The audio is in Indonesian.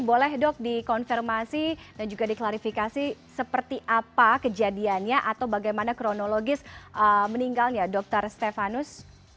boleh dok dikonfirmasi dan juga diklarifikasi seperti apa kejadiannya atau bagaimana kronologis meninggalnya dokter stefanus